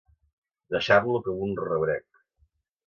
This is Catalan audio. Deixar-lo com un rebrec.